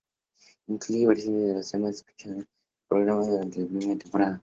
Incluye versiones de los temas escuchados en el programa durante la primera temporada.